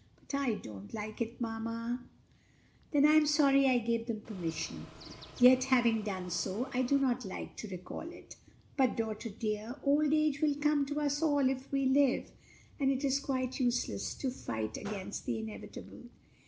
"But I don't like it, dear mamma." "Then I am sorry I gave them permission; yet having done so, I do not like to recall it. But, daughter dear, old age will come to us all, if we live, and it is quite useless to fight against the inevitable."